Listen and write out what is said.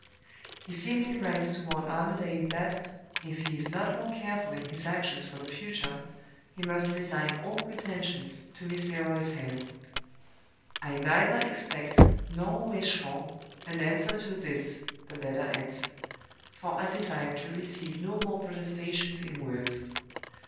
He simply writes to warn Armadale that, if he is not more careful in his actions for the future, he must resign all pretensions to Miss Milroy's hand. 'I neither expect, nor wish for, an answer to this' (the letter ends), 'for I desire to receive no mere protestations in words.